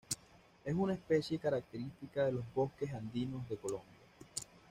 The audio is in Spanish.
Es una especie característica de los bosques andinos de Colombia.